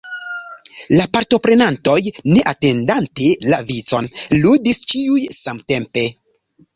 La partoprenantoj, ne atendante la vicon, ludis ĉiuj samtempe.